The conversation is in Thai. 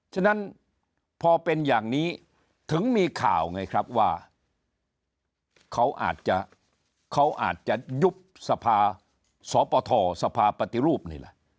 ฉะนั้นพอเป็นอย่างนี้ถึงมีข่าวไงครับว่าเขาอาจจะเขาอาจจะยุบสภาสปทสภาปฏิรูปนี่แหละ